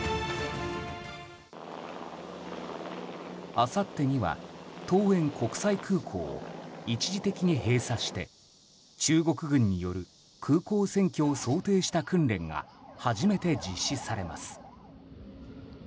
あさってには桃園国際空港を一時的に閉鎖して中国軍による空港占拠を想定した訓練が初めて実施されます。